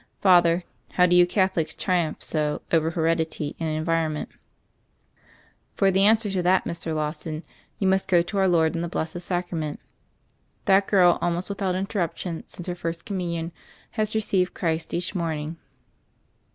Father, how do you Catholics triumph so over heredity and en vironment?" "For the answer to that, Mr. Lawson, you must go to Our Lord in the Blessed Sacrament. That girl almost without interruption since her First Communion has received Christ each morning."